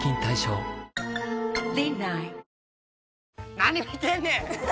何見てんねん！